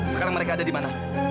sekarang mereka ada di mana